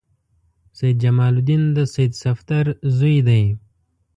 سید جمال الدین د سید صفدر زوی دی.